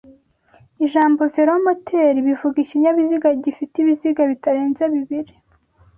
Ijambo velomoteri bivuga ikinyabiziga gifite ibiziga bitarenze bibiri